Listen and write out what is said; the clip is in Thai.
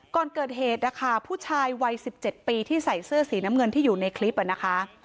ก่อนเกิดเหตุนะคะผู้ชายวัย๑๗ปีที่ใส่เสื้อสีน้ำเงินที่อยู่ในคลิปนะคะ